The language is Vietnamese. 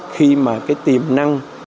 khi mà cái tiềm năng